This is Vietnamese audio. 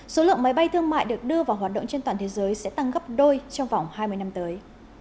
số lượng máy bay thương mại được đưa vào hoạt động trên toàn thế giới sẽ tăng gấp đôi trong vòng hai mươi năm tới